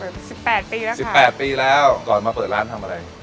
เปิดประมาณสิบแปดปีแล้วสิบแปดปีแล้วก่อนมาเปิดร้านทำอะไร